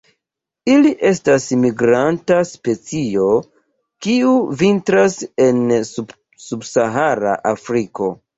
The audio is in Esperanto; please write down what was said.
Ili estas migranta specio, kiu vintras en subsahara Afriko.